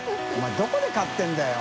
どこで買ってるんだよ。